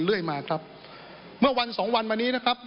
เรื่อยมาครับเมื่อวันสองวันมานี้นะครับ